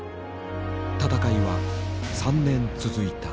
たたかいは３年続いた。